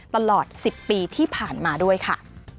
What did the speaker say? ตลอด๑๐ปีที่ผ่านมาด้วยค่ะ